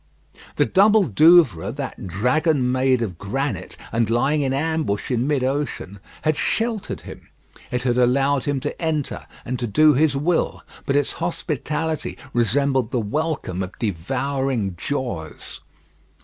The double Douvres that dragon made of granite, and lying in ambush in mid ocean had sheltered him. It had allowed him to enter, and to do his will; but its hospitality resembled the welcome of devouring jaws.